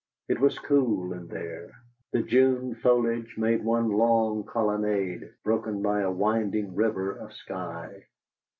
It was cool in there. The June foliage made one long colonnade, broken by a winding river of sky.